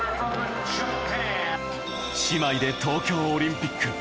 姉妹で東京オリンピック。